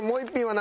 何？